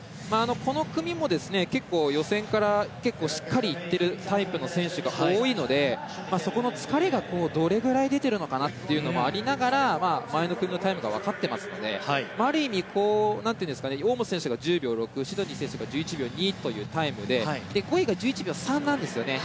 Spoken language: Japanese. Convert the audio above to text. この組も結構、予選からしっかりいっているタイプの選手が多いのでそこの疲れが、どれくらい出てるのかもありながら前の組のタイムが分かっていますのである意味、大本選手が１０秒６シドニー選手が１１秒２というタイムで５位が１１秒３なんですよ。